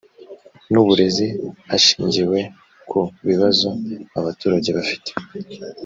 n uburezi hashingiwe ku bibazo abaturage bafite